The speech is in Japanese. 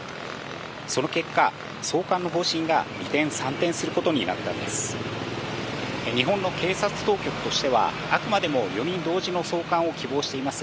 その結果、送還の方針が二転三転することになったんです。